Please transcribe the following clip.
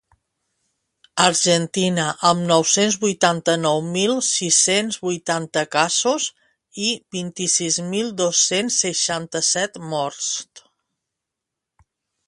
Argentina, amb nou-cents vuitanta-nou mil sis-cents vuitanta casos i vint-i-sis mil dos-cents seixanta-set morts.